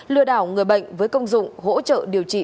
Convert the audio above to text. lừa đảo người bệnh với công dụng hỗ trợ điều trị